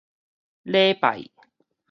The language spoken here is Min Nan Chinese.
禮拜